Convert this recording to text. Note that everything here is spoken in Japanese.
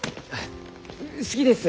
好きです！